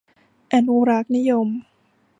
อนุรักษ์นิยม